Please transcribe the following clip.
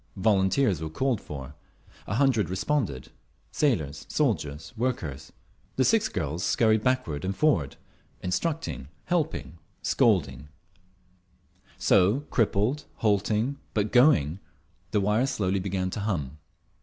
Volunteers were called for; a hundred responded, sailors, soldiers, workers. The six girls scurried backward and forward, instructing, helping, scolding…. So, crippled, halting, but going, the wires slowly began to hum.